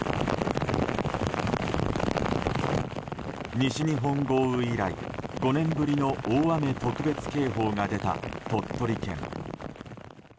西日本豪雨以来５年ぶりの大雨特別警報が出た鳥取県。